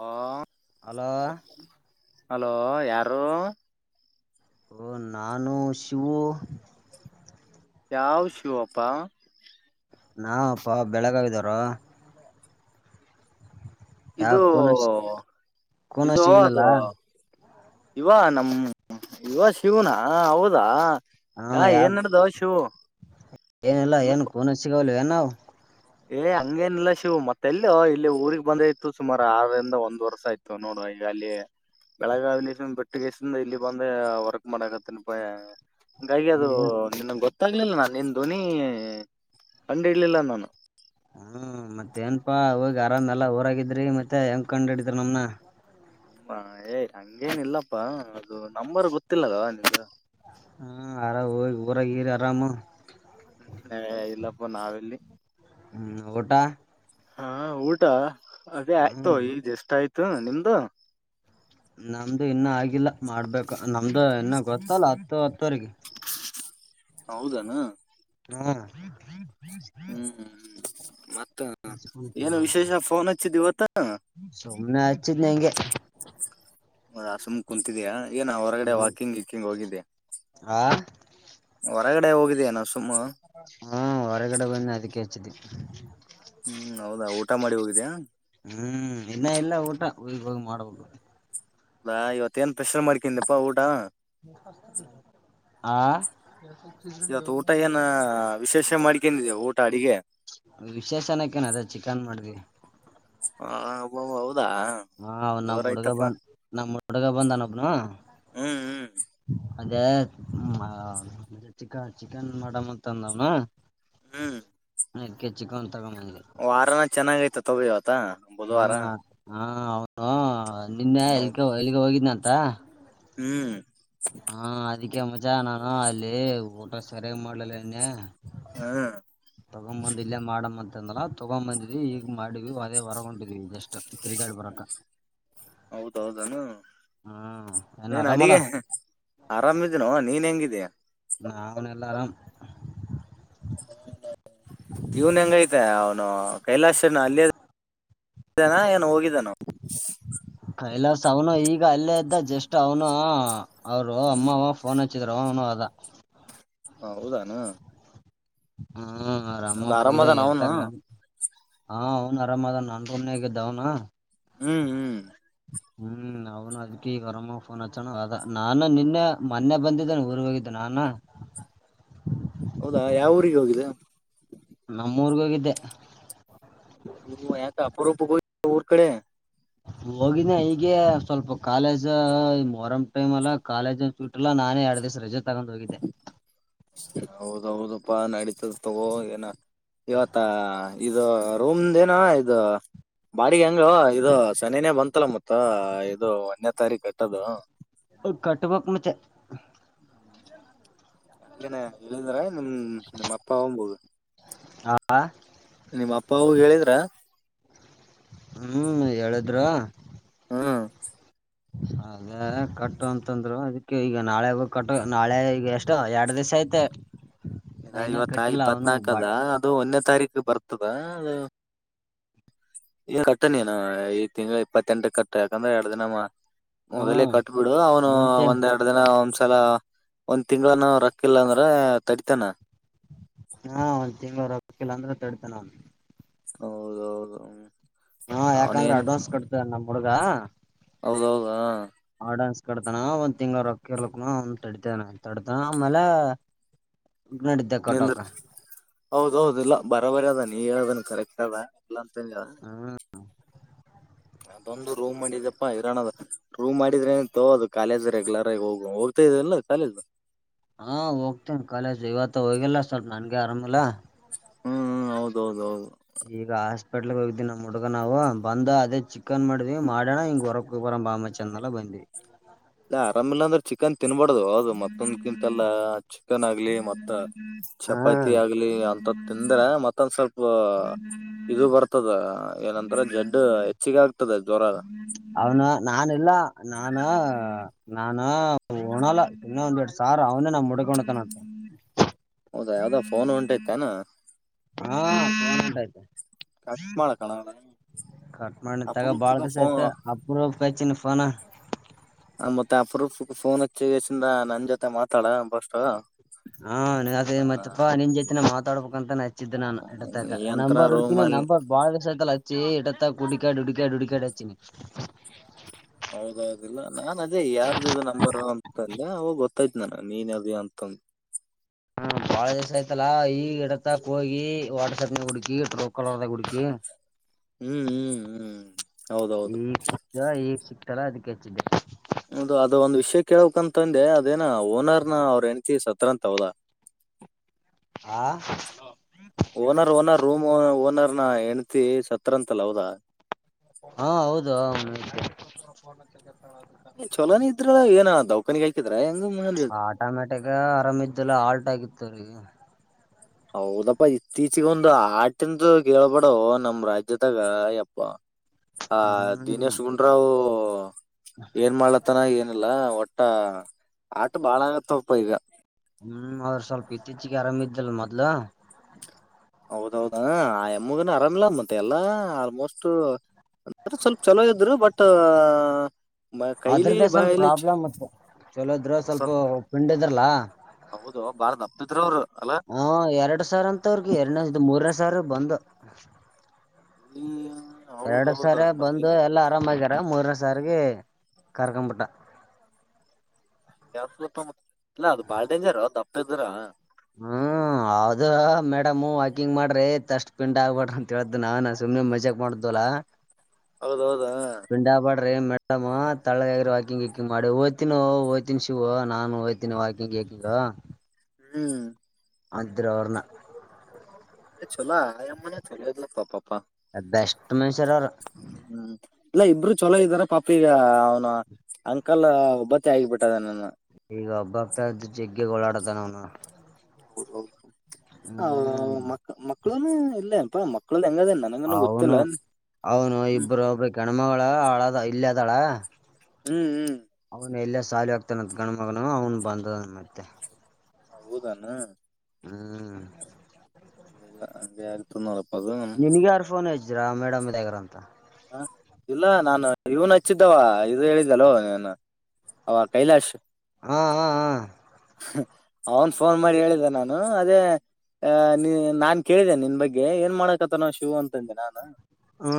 ಹಾ ಅದ hello hello ಯಾರು ಓ ನಾನು ಶವು ಯಾವ ಶಿವಪ್ಪ ನಾವಪ್ಪಾ ಬೆಳಗಾವಿದವರು ಇದು ಯಾಕ ಕೂನ ಕೂನ ಇದು ಸಿಗ್ಲಿಲ್ಲ ಅದು ಇವ ನಮ್ಮ ಇವ ಶಿವನಾ ಹೌದಾ ಹಾ ಏನ್ ನಡ್ದ ಅವ ಶು ಏನಲ್ಲ ಏನ್ ಕೋನ ಸಿಗೋಿಲ್ಲ ಏನ್ ನ ಏ ಹಂಗೇನಿಲ್ಲ ಶಿವ್ ಮತ್ತೆಲ್ಲ ಇಲ್ಲಿ ಊರಿಗೆಗ್ ಬಂದ ಇತ್ತು ಸುಮಾರ ಆರರಿಂದ ಒಂದ್ ವರ್ಷ ಆಯ್ತು ನೋಡುುವ ಈಗ ಅಲ್ಲಿ ಬೆಳಗಾವಲಿ್ ಬಿಟ್ಟುಗೆಸಿಂದ ಇಲ್ಲಿ ಬಂದ ವರ್ಕ್ ಮಾಡಕತ್ತನಪ ಹಂಗಾಗಿ ಅದು ಹ್ಮ ನಿನ್ನಂಗಗೆ ಗೊತ್ತು ತಗ್ಲಿಲ್ಲ ನಾನು ನಿನ್ ಧ್ನಿ ಹಂಡ ಇಡ್ಲಿಲ್ಲ ನಾನು ಹ್ಮ ಮತ್ತ ಏನಪಾ ಹೋಗಿ ಆರಾಮ ಎಲ್ಲ ಊರಾಗಿದ್ರಿ ಮತ್ತೆ ಹೆಂಗ ಕಂಡ್ ಹಿಡಿದ್ರ ನಮ್ನ ಹ ಏಯ ಹಂಗೇನ ಇಲ್ಲಪ್ಪಾ ಅದು ನಂಬರ್ ಗೊತ್ತಿಲ್ಲದ ನಿಮ್ದ ಹ್ಮ್ ಆರಾಮ ಹೋಗ ಊರಾಗಿಿರಿ ಆರಾಮ ಇಲ್ಲಪ್ಪ ನಾವೆಲ್ಲಿ ಹ್ಮ ಗಟಾ ಹಾ ಊಟ ಅದೇ ಆಯ್ತೋ ಹ್ಮ್ ಈಗ ಎಷ್ಟ ಆಯ್ತು ನಿಮ್ದು ನಮ್ದು ಇನ್ನ ಆಗಿಲ್ಲ ಮಾಡ್ಬೇಕು ನಮ್ದು ಇನ್ನ ಗತ್ತ ಅಲ್ಲ ಹತ್ತು ಹತ್ತು ತಾರಕ ಹೌದಣ ಹ್ಮ ತಿಂತ ಹ್ಮ್ ಹ್ಮ್ ಮತ್ತ ಏನು ವಿಶೇಷ ಫೋನ್ ಹಚ್ಚಿದ್ ಇವತ್ತ ಸುಮ್ಮನೆ ಆ ಹೆಗೆ ಸುಮ್ ಕುೂಂತಿದಯಾ ನ ಹೊರಗಡೆ ಹ್ಮ್ ವಾಕಿಂಗ್ ಇಕ್ಕಿಂಗ್ ಹೋಗಿದ್ದೆ ಆ ಹೊರಗಡೆ ಹೋಗಿದೇ ನಾ ಸುಮ್ಮ ಹ್ಮ ಹೊರಗಡೆ ಬಂದ ಅದಕ್ಕೆ ಹಚ್ಚಿದ್ದಿ ಹ್ಮ್ ಹೌದಾ ಊಟ ಮಾಡಿ ಹೋಗಿದಯ ೋಗ ಹೋಗ ಮಾಡಬುದು ನಾ ಇವತ್ತೇನ್ ಪ್ರೆಷರ್ ಮಾಡ್ಕಿಂದಪ್ಪಾ ಊಟ ಆ ಇತ್ತು ಊಟ ಏನ ವಿಶೇಷ ಮಾಡ್ಿಕೊಂಡಿದ ಊಟ ತಾಡಿಗೆ ವಿಶೇಷಣಕ್ಕೆೇ ನ ಅದ ಚಿಕನ್ ಮಾಡಿದ್ವಿ ಹಾ ಅಬೌ ಹಾ ನಮ್ಮ್ ಹುಡುಗ ಬಂದ ನಮ್ಮ ಹುಡಗ ಬಂದನಬ್ನು. ಹ್ಮ್ ಹ್ಮ್ ಅದೇ ಚಿಕ ಚಿಕನ್ ಮಾಡಮ ಅಂತಂದವ್ನು. ಹ್ಮ್ ಅದ್ಕೆ ಚಿಕನ್. ತಗೊಂಡ್ ಬಂದೆ ವಾರಾನ ಚೆನ್ನಾಗ ಐತತ. ತವಿವತ. ತ್ತ ಬುಧವಾರ. ಹ ನಿನ್ನೆ ಹೌದು ಎಲ್ಕೆ ಎಲ್ಲಿಗೆ ಹೋಗಿದ್ದನಂತ್. ತ್ತ ತ ಹ್ಮ್ ಹಾ ಅದಕ್ಕೆ ಮಜಾ ನಾನು. ಹಾ ಅಲ್ಲಿ ಊಟ ಸರಿಯಾಗಿ ಮಾಡ್ಲಿಲ್ಲ ಹೆಂಗೆ ಹ್ಮ್ಮ್. ಹಾ ತಗೊ್ಂಬಂದ್ ಇಲ್ಲೇ ಮಾಡಮ ಅಂತ ಅಂದ್ನ್ ತೊಗೊಂಬಂದಿದ್ವಿ ಈಗ ಮಾಡಿದ್ವಿ ಅದೇ ಹೊರಗೊಂಟಿದ್ವಿ ಜಸ್ಟ್. ತಿರ್ಗಾಡಿ ಹ್ಮ ಬರಕ ಹೌದೌದನು. ಹ್ಮ್ ಏನ್ ಆರಾಮಲ್ಲ ಅಡಿಗೆ ಆರಾಮಿದಿನೋ ನೀನೇ. ಹೇಂಗಿದೆಯಾ. ನಾವುನು ಎಲ್ಲಾ ಆರಾಮ್. ಹ [unintelligible] ಇವನ್ ಹೆಂಗೈತೆ ಅವ ನ ಕೈಲಾಶನ ಅಲ್ಲೇ ಅದನ ಏನ ಹೋಗಿದ್ದಾನ. ಕೈಲಾಸ ಅವನು ಈಗ ಅಲ್ಲೇ. ಇದ್ದ ಜಸ್ಟ್ ಅವನು. ಅವರು ಅಮ್ಮಾಅವ್ವ ಫೋನ್ಚ್ಚಿದ್ರ ಅವ್ನು ಲ್ಲ ಹಾ ಹೌದಾನ. ಹ್ಮ್ ಆರಾಮ್ ಅದ್ ಫಯ್ದಾ ಆರಾಮದಾನ ಅವನು ಹೇಳ್ತಕ್ ನನ್ ಹ ಆರಾಮ ಅದ ನನ್ ರೋಮನಾಗಿದ್ದ ಅವನು. ಹ್ಮ್ ಹ್ಮ್ ಹ್ಮ್ ನಾವನು ಅದ್ಕಿ ಈಗ ಅರಮ್ಮ ಫೋನ್ ಹಚ್ಚಣ ಅದ ನಾನ ನಿನ್ನೆ ಮೊನ್ನೆ ಬಂದಿದ್ದನೆ ಊರ್ಗ್ ಹೋಗಿದ್ದೆ ನಾನ. ಹೌದಾ ಯಾವ ಊರಿಗೆ ಹೋಗಿದೆ. ನಮ್ಮೂರ್ಗ ಹೋಗಿದ್ದೆ. ಹ ಯಾಕ ಅಪರೋಪಕ ಊರ್ ಕಡೆ. ಹೋಗಿದ ಈಗೆ ಸ್ವಲ್ಪ ಕಾಲೇಜ್ ಮೊಹರಂ ಟೈಮ್ ಅಲ್ಲ ಕಾಲೇಜಲ್ಲಿ ಸೂಟಿ ಇಲ್ಲ ನಾನೇ ಎರಡು ದಿವಸ ರಜೆ. ತಗೊಂಡ್ ಹೋಗಿದ್ದೆ ಹೌದ ಹೌದಪ್ಪಾ ನಡಿ ತಗೋ ನ ಇವತ್ತ ಇದು ರೂಮ್ದ ಏನೊ ಇದು. ಬಾಡಿಗೆ ಹೆಂಗ್ ಇದು ಶನಿನೇ ಬಂತಲ ಮತ್ತ ಇದು ಒಂದನ ತಾರೀಕ ಕಟ್ಟದು ಕಟ್ಬೇಕು ಮಚ್ಚಿ ಅದಕ್ಕೇನೇಇಂದ್ರ ನಿಮ ನಿಮ್ಮ ಅಪ್ಪ ಹೋಗಬೋುದು ಹಾ ನಿಮ್ಮ ಅಪ್ಪವು ಹೇಳಿದ್ರ ಹ್ಮ್ ಹೇಳಿದ್ರು ಹ್ಮ್ ಹಾಗದೇ ಕಟ್ಟು ಅಂತಂದ್ರು ಅದಕ್ಕೆ ಈಗ ನಾಳೆ ಬ ಕಟ್ಟು ನಾಳೆ ಈಗ ಎಷ್ಟೋ ಎರಡ್ ದಿವ್ ಐತೆ ಇದ ನಾ ಇನ್ನ ಇವತ್ತ ಕಟ್ಟಿಲ್ಲ ಅವನು ಬ ಇಪ್ಪತ್ನಾಾಕದ ಅದು ಒಂದನೇ ತಾರೀಕ ಬರ್ತದೆ ಅ ಈ ಕಟ್ಟನಿ ನ ತಿಂಗಳ ಇಪ್ಪತ್ತೆಂಟ ಕಟ್ಟ ಯಾಕಂದ್ರೆ ಎರಡು ದಿನ ಹಾ ಮೊದಲೇ ಕಟ್ಬಿಡು ಅವನು ಮುಂಚೆ ಒಂದೆರಡು ದಿನ ಒಂದ್ಸಲ ಒಂದ್ ತಿಂಗಗಳಾನ ರೊಕ್ಕಿಲ್ಲ ಅಂದ್ರ ತಡಿತಾನ ಹಾ ಒಂದ ತಿಂಗಳವರು ಆಗಕ್ಕಿಲ್ಲ ಅಂದ್ರೆ ತಡಿತಾನ ಅವನ್ ಹೌದೌದ ಹಾ ಯಾಕಂದ್ರೆ ಅಡ್ವಾನ್ಸ್ ಕೊಟ್ತದ ನಮ್ಮ ಹುಡ್ಗ ಹ ಹೌದೌದಾ ಡನ್ ಕಡತಾನ ಒಂದ್ ತಿಂಗಳ ರೊಕ್ಕ ಇರ್ಲಕ್ನ ಒಂದ ತಡತಾನ ತಡತಾನ ಆಮೇಲೆ ನಡಿದ್ದೆ ನಿ ಕಟ್ಟೋಕ ಹೌದೌದು ಇಲ್ಲ ಬರಬರಿ ಅದೆ ನೀ ಹೇಳದನ್ ಕರೆಕ್ಟ್ ಅದ ಎಲ್ಲ ಚೇಂಜ್ ಹಾ ಅದೊಂದು ರೂಮ್ ಮಾಡಿದಪ್ಪಾ ಇರೋ ರೂಮ್ ಮಾಡಿದ್ರೆ ತಗೋದು ಕಾಲೇಜ್ ರೆಗ್ಯುಲರ್ ಆಗಿ ಹೋಗ ಹೋಗ್ತಾ ಇದಲ್ಲ ಕಾಲೇಜ್ ಹಾ ಹೋಗ್ತೇನೆ ಕಾಲೇಜು ಇವತ್ತು ಹೋಗಿಲ್ಲ ಸ್ವಲ್ಪ ನನ್ಗೆ ಆರಾಮಲ್ಲ ಹ್ಮ್ ಹ ಹೌದೌದ ಹೌದು ಈಗ ಹಾಸ್ಪಿಟ್ಲ್ಗೆ ಹೋಗಿದವಿ ನ ಹುಡ್ಗ ನಾವು ಬಂದು್ ಅದೇ ಚಿಕ್ಕನ್ ಮಾಡಿದ್ವಿ ಮಾಡೋಣ ಹಿಂಗ ಹೊರಕ್ ಒಬ್ಬರಂ ಬಾ ಮುಚ್ಚಿ ಅಂದೆಲ್ಲಾ ಬಂದಿ ಇಲ್ಲ ಆರಾಮಿಲ್ಲ ಅಂದ್ರೆ ಚಿಕನ್ ತಿನ್ಬಾರಡ್ದದು ಹೌದು ಮತ್ತೊಂದ್ಗಿಂತಲ್ಲಾ ಚಿಕನ್ ಆಗ್ಲಿ ಮತ್ತ ಹಾ ಚಪಾತಿ ಆಗ್ಲಿ ಅಂತ ತಿಂದ್ರೆ ಮತ್ತೊಂದ ಸ್ವಲ್ಪ ಸ್ ಇದು ಬರ್ತದ ಏನಂತ್ರ ಜಡ್ಡು ಹೆಚ್ಚಿಗೆ ಆಗ್ತದೆ ಜ್ವರ ನಾನ ಇಲ್ಲ ನಾನ ನಾನ ಹಣಲ್ಲ ಇನ್ನ ಒಂದ್ೆರಡ್ ಸಾವಿರ ಅವನೇ ನಾ ಮುಡಿಕೊಂಡತನಂತ ಹೌದಾ ಯಾವ್ದೋ ಫೋನ್ ಉಂಟೈತನಾ ಹಾ ಆಯ್ತು ಕಟ್ ಮಾಡ ಕಣ ಕಟ್ ಮಾಡಕ್ಕೆ ತಗ ಅಪರೂಪಕ ಬಾಳ್ ಕಸ ಫೋನ್ ಆಯ್ತ ಅಪ್ರ ಕಾಯಚಿನ ಫನ ಅಪರಪ ಫೋನ್ಚ್ಚಿಸಂದ ನನ್ ಜೊತೆ ಮಾತಾಡ ಬಸ್ಟ್ ಹಾ ನ ಮತ್ತಪ್ಪಾ ನಿನ್ ಜೈತೆಿನ ಮಾತಾಡ್ಬ ಂತ ನಾನು ಇಡತ ಯಂತ್ರ ನಂಬರ್ ಹುಡುಕಿನಿ ರೂಮಲ್ಲಿ ನಂಬ ಬಳ ಎ ತಾ ಕುಡಿಕಾ ುಡಿಕಾ ುಡಿಕಾ ಡೆಚನ ಹೌದೌದಿಲ್ಲ ನಾನ್ ಅದೇ ಯಾರ್ದದು ನಂಬರ್ ಅಂತಂದ್ರ ಅವಾಗ ಗೊತ್ತಾಯ್ ನಾನ ನೀನ್ ಅದೇ ಅಂತಂದು ಹಾ ಬಾಳ ದಿವಸ ಆಯ್ತಲ್ಲಾ ಈಗಿಡಕ್ ಹೋಗಿ ವಾಟ್ಸ್ಪ್ನ ಹುಕಿ ್ರೋ ಹ್ಮ್ ಹ್ಮ್ ಹ್ಮ್ ಹೌದೌದು ಹ್ಮ್ ಈಗ್ ಸಿಕ್ತಲ್ಲಾ ಅದಕ್ಕೆ ಹೆಚ್ಚಿದೆ ಹೌದು ಅದ ಒಂದು ವಿಷಯ ಕೇಳಕ್ ಅಂತಂದೆ ಅದೇ ಓನರ್ ನ ಅವ್ರ ಹೆ ಎಣತಿ ಸ ಉತ್ರರಂತ ತೌದಾ ಆ ಓನರ್ ಓನ ರೂಮ ಓನರ್ ಹೆಂಡತಿ ಸತ್ರ ಅಂತಲ್ಲ ಹೌದಾ ಹಾ ಹೌದು ಹ ಚೊಲೋನ ಇದ್ರ ಏನ ದೌಖಾನಿಗ್ ಹಾಕಿದ್ರೆ ಆಟೋಮ್ಯಾಟಿಕ್ ಆರಾಮ ಇದಲ್ಲ ಆ ಟಗತ್ತು ಅವಿಗೆ ಹೌದಪ್ಪ ಇತ್ತೀಚಗ ಒಂದು ಆಟ ಅಂತ ಕೇಳ್ಬೇಡ ನಮ ರಾಜ್ಯದಾಗ ಯಪ್ಪ ಹ ಹ್ಮ್ ದಿನೇಶ್ ಗುಂಡ್ರಾವ್ ಹ ಏನ್ ಮಾಡ್ಲತ್ತನ ಏನ್ ಲ್ಲ ಒಟ್ಟ ಆಟ ಬಾಳ ಆಗತ್ತಪ್ಪ ಈಗ ಹ್ಮ್ ಅವದ್ರ ಸ್ವಲ್ಪ ಇತ್ತೀಚಿಗೆ ಆರಾಮ್ದಲ್ ಮೊದ್ಲು ಹೌದೌದ ಆ ಎಮ್ಮಗನ ಆರಾಮಿಲ್ಲ ಮಂತೆ ಎಲ್ಲಾ ಆಲ್ಮೋಸ್ಟ್ ಅ ಸ್ವಲ್ಪ ಚಲೋ ಇದಿದರು ಬಟ್ ಕೈಲಿ ಅದ್ರ್ದ ಸ್ವಲ್ಪ ಬಾಯಲ್ಲಿ ಪ್ರಾಬ್ಲ್ ಮತ್ತ ಚಲೋದ್ರ ಹೌ ಸ್ವಲ್ಪ ಸಪ್ ಪಿಂಡ್ ಇದ್ರಲ್ಲಾ ಹೌದು ಬಾಳ ದಪ್ಪಿದ್ರ ಅವ್ರು ಅಲ್ಲಾ ಹ ಎರಡ್ ಸಾವಿರ ಅಂತ ಅವ್ರಿಗೆ ಎರಡ್ ಮೂರ ಸರ್ ಬಂದ ಹ್ಮ ಎರಡು ಸಾರ ಬಂದು ಎಲ್ಲಾ ಆರಾಮಗ್ಯಾರ ಮೂರ್ನ ಸಾರಿಗೆ ಕರಕಪಟ್ಟ ಾವ ಸ್ವಲ್ಪ ಇಲ್ಲಾ ಅದು ಬಾಳ್ ಡೇಂಜರ್ ದಪ್ಪ ಇದ್ರ ಹ್ಮ್ ಹೌದು ಮೇಡಮ್ ವಾಕಿಂಗ್ ಮಾಡ್ರಿ ತಷ್ಟ ಪಿಂಡ್ ಆಗ್ಬಾರಡ ಅಂತ ಹೇಳ್ದನ ನಾ ಸುಮ್ಮ್ನೆ ಮಜಾಕ್ ಮಾಡ್ದ್ಲ ಹೌದೌದಾ ಮಡಮ್ಮ ತಳ್ಳದಗ ವಾಕಿಂಗ್ ಹಕಿಂಗ ಮಾಡಿ ದ್ತೀನ ಓ್ತಿನಿ ಶಿವ ನಾನು ಓದ್ತೀನಿ ವಾಕಿಂಗ್ ಹಾಕಿಗ ಹ್ಮ್ ಅದ್ರೋರ್ನ ಅ ಚಲೋ ಆ ಅಮ್ಮನೆ ಚಲೋ್ಲಪ್ಪ ಪಾಪ ಅ ಅಷ್ಟ ತಮ ಹೆಸರ್ ಹ್ಮ್ ಇಲ್ಲ ಇಬ್ಬರು ಚೊಲೋ ಇದಾನ ಪಾಪಿ ಈಗ ಅವ್ನು ಅಂಕಲ್ ಒಬ್ಬತ್ತಿ ಆಗಿಬಿಟ್ಟದ ನ ಈಗ ಹಬ್ಬ ಹಗ್ತಾ ಇದ್ರ ಜೆಗ್ ೋಳಾಡೋತಾನಣ ಹೌದೌದು ಅವರು ಮ ಮ ಮಕ್ಕಳನು ಇಲ್ಲ ಅಂತ ಮಕ್ಕಳು ಅವನು ಅವನು ಹ್ಮ್ ಇಬ್ರು ಒಬ್ರು ಕೆಣ್ಮಗಳ ಹಳದ ಇಲ್ಲ ದಳಾ ಹ್ಮ್ ಹ್ಮ್ ಅವ ಎಲ್ಲ ಸಾಲ ಆಗ್ತಾನತ್ ಗಣ ಮಗನ ಅವನು ಬಂದ ಮತ್ತೆ ಹ ಹಓದಾನ ಹ್ಮ್ ಅ ಆಾಲ ನಿಿನಗೆಾರಫೋನ್ು ್ರಾ ಮೇಡಮ್ ಇದಾಗ್ರ ಅಂತ ಹ ಇಲ್ಲ ನಾನು ಇವನ್ ಹಚ್ಚಿದ್ದವ ಇದು ಹೇಳಿದ್ದಲ್ೋ ನನ್ ಅವ ಕೈಲಾಶ್ ಹಾ ಹಾ ಹಾ ಅವನ್ ಫೋನ್ ಮಾಡಿ ಹೇಳಿದ್ದ ನಾನು ಅದೇ ಅ ನೀ ನಾನ್ ಕೇಳಿದ್ದೇನೆ ನಿನ್ ಬಗ್ಗೆ ಏನ್ ಮಾಡಕತ್ತ ನ ಶಿವ ಅಂತಂದೆ ನಾನು ಹಾ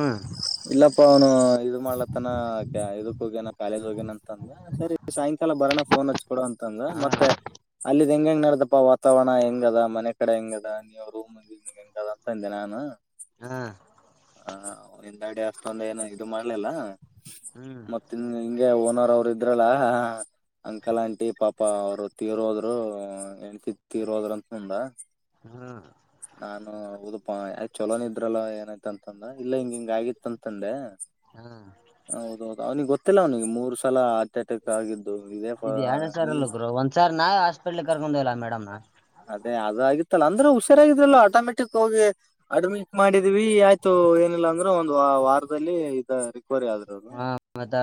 ಇಲ್ಲಪ್ಪ ಅವನು ಇದು ಮಾಡ್ಲತ್ತನ ಇದಕ್ ಹೋಗ್ಯನ ಕಾಲೇಜ್ ಹೋಗ್ಯನ ಅಂತ ಅಂದ ಸರಿ ಸಾಯಂಕಾಲ ಬರನ ಫೋನ್ ಹಚ್ಚ ಕೊಡುವಂತಂದು ಹಾ ಮತ್ತೆ ಅಲ್ಲಿ ಇ ಹೆಂಗ ಹೆಂಗ್ ನಡ್ದಪ್ಪಾ ವಾತಾವರಣ ಹೆಂಗ ಅದ ಮನೆ ಕಡೆ ಹೆಂಗ ಅದ ನೀವ ರೂಮ್ಂದ ಹೆಂಗ ಅದ ಅಂತ ಅಂದೆ ನಾನು ಹ್ಮ ಹ ಿಂದಾಡಿ ಅಷ್ಟೊಂದ ಏನು ಇದು ಮಾಡ್ಲಿಲ್ಲ ಹ್ಮ್ ಮತ್ತ ಹಿಂಗೆ ಒ ಅವರು ಇದ್ರಲ್ಲ ಅಂಕಲ್ ಆಂಟಿ ಪಾಪ ಅವರು ತೀರೋದ್ರು ಹೆಂಡತಿ ತೀರೋದ್ರ ಅಂತ ನಂದ ಹ್ಮ್ ನಾನು ಹೌದುಪ್ಪ ಚಲೋ ಇದ್ರಲ್ಲ ಏನ ಅಂತಂದ ಇಲ್ಲ ಹಿಂಗ ಹಂಗ ಹಿಂಗಾಗಿತ್ತು ಅಂತ ಅಂದೆ ಹ್ಮ್ ಹೌದು ಹೌದು ಗೊತ್ತಿಲ್ಲ ಅವನಿಗೆ ಮೂರು ಸಲ ಅಟ್ಯಾಕ್ ಆಗಿದ್ದು ಇದೇ ಇದು ಎರಡನೇ ಸರಲ್ಲರು ಬ್ರೋ ಒಂದ್ ಸಾರ್ ನಾನೇ ಹಾಸ್ಪಿಟ್ಲ್ ಕರ್ಕೊಂಡ್ ಹೋಗ್ಲಿ ಮೇಡಮ್ನ. ಅದೇ ಅದಾಗಿತ್ತಲ್ಲಾ ಅಂದ್ರೆ ಹುಷಾರಾಗಿದ್ರಲ್ಲ ಆಟೋಮೆಟಿಕ್ ಹೋಗಿ ಅಡ್ಮಿಕ್ ಮಾಡಿದೀವಿ ಆಯ್ತು ಏನಿಲ್ಲಾ ಅಂದ್ರೆ ಒಂದು ವಾರದಲ್ಲಿ ಇದ. ರಿಕವರಿ ಆದ್ರರು ಹ ಮತ್ತ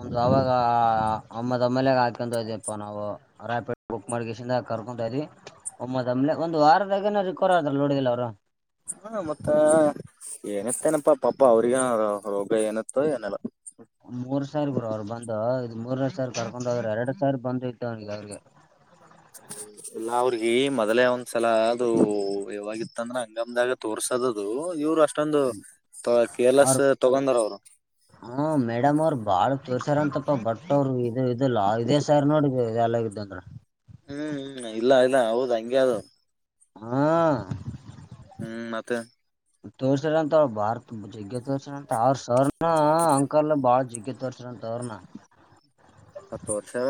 ಒಂದು ಆವಾಗ. ಹ್ಹ ಅಮ್ಮದೊಮ್ಮಲೆಗ ಹಾಕೊಂಡು ಓದುವಪ್ಪ ನಾವು ರಾಪಿಡ್ ಬುಕ್ ಮಾಡ ಕರ್ಕೊಂತ ಇದ್ವಿ ಒಮ್ಮೆಲೆ ಒಮ್ಮೇಲೆ ಒಂದು ವಾರದಾಗನೇ ರಿಕವರಿ ಅದ್ರು ನೋಡಿದಿಲ್ಲ ಅವ್ರು. ಹಾ ಮತ್ತ ಏನಿತ್ತೇನಪ್ಪಾ ಪಾಪ ಅವ್ರಿಗ ರೋಗ ಏನತ್ತೋ ಏನಲ್ಲ. ಮೂರ್ ಸಾವಿರ ಗುರು ಅವರು ಬಂದು. ಮೂರನೇ ಸರಿ ಕರ್ಕೊಂಡು ಹೋದ್ರೆ ಎರಡ್ ಸಾರಿ ಬಂದ್ ಇತವನಗ ಅವ್ರಿಗೆ. ನಾ ಅಲ್ಲ ಅವ್ರಿಗೆ ಮೊದ್ಲೆೇ ಒಂದ್ಸಲ ಅದು ಯಾವವಾಗಿತ್ತಂದ್ರ ಹಂಗಮ್ದಾಗ ತೋರ್ಸದ್ದದು ಇವ್ರು ಅಷ್ಟ. ಮಷ್ಟೊಂದು ಕೆರ್ ಅವ್ರ ಲೆಸ್ ತೊಗಂದರ್ ಅವರು. ಸರ್ ಅಂತಪ್ಪ ಭಟ್ ಅವ್ರ ಇದು ಇಲ್ಲ ಇದೇ [unintelligible] ಹ್ಮ್ ಹ್ಮ್ ಇಲ್ಲ ಇಲ್ಲ ಹೌದು ಹಂಗೆ ಆದ ಅದು. ಹಾ. ಹ್ಮ್ ಮತ್ತೆ. ತೋರ್ಸರಂತ ಅವ್ರು ಭಾರ ಜಗ್ಗೆ ತೋರಿಸರ ಅಂತ ಅವ್ರ ಸರ್. ಹ್ಹ್ ಹ್ಹಾ ಅಂಕಲ್ ಬಾಳ ಜಿಗ್ ಜಗ್ಯ ತೋರ್ಸ್ಯ ರಂತ ಅವ್ರೂನು ಅ ತೋರ್ಸ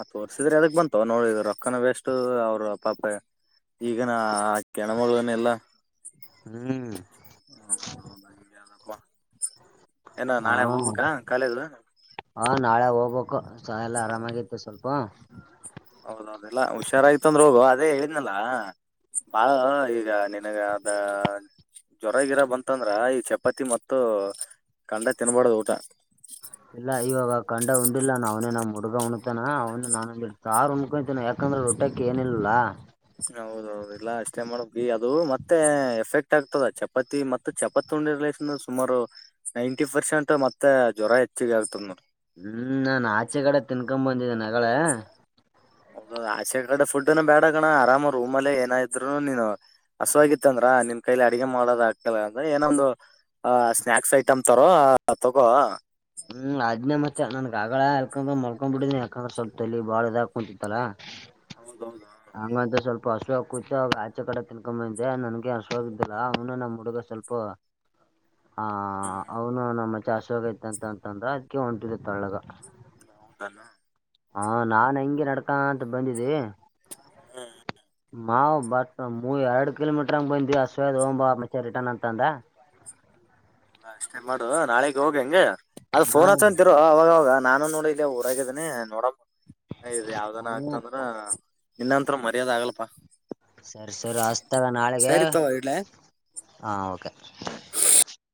ಆ ತೋರ್ಸಿದ್ರೆ ಎದಕ್ ಬಂತೋ ನೋಡಿ ರೊಕ್ಕನ ವೇಸ್ಟ್ ಅವರು ಪಾಪ ಈಗನ ಆಕಿ ಹೆಣ್ಣು ಮಗಳನು ಇಲ್ಲ. ಹ್ಮ್ [unintelligible] ಏನ ಹಾ ನಾಳೆ ಹೋಗ್ಬೇಕ ಕಾಲೇಜು. ಹ ನಾಳೆ ಹೋಗ್ಬೇಕು. ಚಹ ಎಲ್ಲಅರಮಗೈತಿ ಸ್ವಲ್ಪ. ಅದೆಲ್ಲಾ ಹುಷಾರಾಗಿತ್ತು ಅಂದ್ರ ಹೋಗು ಅದೇ ಹೇಳಿದ್ನಲ್ಲ ಬಾ ಈಗ ನಿನಗ ಅದ ಜ್ವರಗಿರ ಬಂತಂದ್ರ ಈ ಚಪಾತಿ ಮತ್ತು ಕಂಡ ತಿನ್ಬಾಡದು ಊಟ. ಇಲ್ಲ ಇವಾಗ ಕಂಡ ಉಂಡಿಲ್ಲ ನಾನು ಅವ್ನೇ ನಮ್ಮ ಹು ಡ್ಗ ಉಣ್ತಾನ ಅವನ ನಾನು ಸಾರ್ ಉನ್ಕೋತೀನಿ ಯಾಕಂದ್ರ ಉಟುಕ ಏನಿಲ್ಲ ಅಲ್ಲಾ. ಹೌದೌದು ಇಲ್ಲ ಅಷ್ಟೇ ಮಾಡಬೇಕು ಅದು ಮತ್ತೆ ಎಫೆಕ್ಟ್ ಆಗ್ತದ ಚಪಾತಿ ಮತ್ತೆ ಚಪಾತಿ ಉಂಡಿದ್ರ ಸುಮಾರು ನೈಂಟಿ ಪರ್ಸೆಂಟ್ ಮತ್ತೆ ಜ್ವರ ಹೆಚ್ಚಿಗೆ ಆಗ್ತದ ನೋಡು ಹ್ಮ್ ನಾನು ಆಚೆಕ ಡೆ ತಿನ್ಕೊ ಬಂದಿದೀನಿ ಆವಾಗ್ಲೇ. ಹೌದೌದು ಆಚೆ ಕಡೆ ಫುಡ್ನ ಬೇಡಗಣ ಆರಾಮ ರೂಮ್ ಅಲ್ಲೇ ಏನ ಇದ್ರು ನೀನ್ ಹಸಿವಾಗಿತಂದ್ರ. ಕೈಲಿ ಅಡಗೆ ಮಾಡೋದ ಆಗ್ತಿಲ್ಲ ಅಂದ್ರೆ ಏನೊಂದು ಆ ಸ್ನಾಯಕ್ಸ್ ಐಟಮ್ ತರೋ ತಗೋ. ಹ್ಮ್ ಆದ್ನೆ ಮತ್ತೆ ನನ್ಗ್ ಆಗಳೆ ಎಕ ಮಲ್ಕೊಂಡ್ ಬಿಟ್ಟಿದನಿ ಯಾಕಂದ್ರ ಸ್ವಲ್ಪ ಬಾಳ ಇದ ಅಗಕುಂಟಿತ್ತಲ್ಲಾ ಹೌದೌದು ಹಂಗಂತ ಸ್ವಲ್ಪ ಹಸ ಕೂತು ಅವ ಆಚೆ ಕಡೆ ತಿನ್ಕೊದ್ದೆ ನನ್ಗೆ ಹಸಿವಾಗದ್ದಿಲ್ಲ ಅವನು ನಮ್ಮ ಹುಡುಗ ಸ್ವಲ್ಪ ಹಾ ಅವನು ನ ಮತ್ತೆ. ಚಾಸ್ ಹೋಗೈತೆ ಅಂತ ಅಂತಂದ ಅದಕ ಹೊಂಟಿದ ತೆಳ್ಳಗ. [unintelligible] ಹಾ ನಾನ್ ಹಂಗೆ ನಡ್ಕಂತ ಬಂದಿನಿ ಹ್ಮ ಮಾವು ಬಟ್ ಮೂ ಎರಡು ಕಿಲೋಮೀಟ್ರ ಹಂಗ ಬಂದ್ವಿ ಹಸಿವು ಆಗ್ಯದ ಹೋಗಂ ಬಾ ರಿಟರ್ನ್ ಮತ್ತೆ ಅಂತ ಅಂದ. ಎಲ್ಲ ಅಷ್ಟೇ ಮಾಡುವ ನಾಳೆಗೆ ಹೋಗ ಹೆಂಗೆ. ಅದು ಫೋನು ಹಾಂ ಹಚ್ಕೊಂತ ಇರೋ ಅವಾಗವಾಗ. ನಾನು ನೋಡಿದೇ ಊರಾಗಿದ್ದೇನೆ ನೋಡಮ್ಮ. ಇದು ಯಾವ್ದನ ಹಾಂ ಆಗ್ತ ಅಂದ್ರ ಇನ್ನ ಹತ್ರ ಮರ್ಯಾದೆ ಆಗಲ್ಲಪಾ ಸರಿ ಸರ್ ಹಸ್ತವೆ ನಾಳೆಗೆ ತಗೋ ಇಡ್ಲೆ. ಹಾ ಕೆ